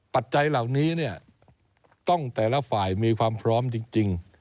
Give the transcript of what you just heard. ปัจจัยเหล่านี้เนี่ยต้องแต่ละฝ่ายมีความพร้อมจริง